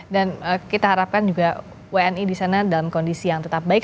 dan kita harapkan juga wni di sana dalam kondisi yang tetap baik